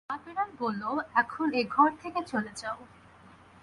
মা-বিড়াল বলল, এখন এ-ঘর থেকে চলে যাও।